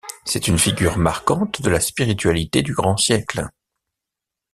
C'est une figure marquante de la spiritualité du Grand Siècle.